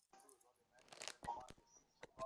আমার চাচার প্রেসার অনেক বেশি আর শরীরে পানি আসে।